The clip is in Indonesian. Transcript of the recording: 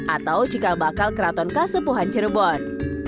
atau cikal bakal keraton kasepuhan cirebon